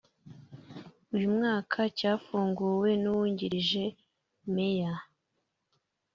uyu mwaka cyafunguwe n’uwungirije Meya